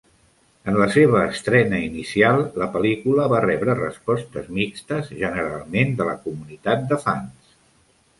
En la seva estrena inicial, la pel·lícula va rebre respostes mixtes, generalment de la comunitat de fans.